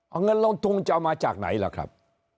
เอาเงินลงทุนจะเอามาจากไหนล่ะครับ